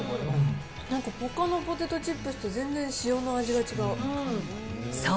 なんかほかのポテトチップスと全然塩の味が違う。